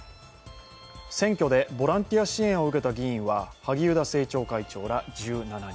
選挙でボランティア支援を受けた議員は萩生田政調会長ら１７人。